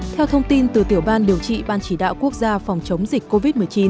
theo thông tin từ tiểu ban điều trị ban chỉ đạo quốc gia phòng chống dịch covid một mươi chín